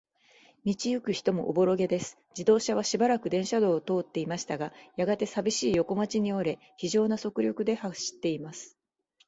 道ゆく人もおぼろげです。自動車はしばらく電車道を通っていましたが、やがて、さびしい横町に折れ、ひじょうな速力で走っています。